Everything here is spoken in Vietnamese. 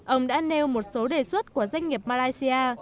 ông đã nêu một số đề xuất của doanh nghiệp malaysia